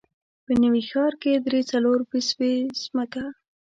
په نوي ښار کې درې، څلور بسوې ځمکه.